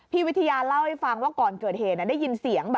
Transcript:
พี่วิทยาเล่าให้ฟังว่าก่อนเกิดเหตุได้ยินเสียง